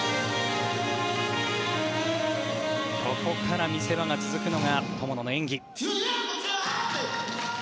ここから見せ場が続くのが友野の演技。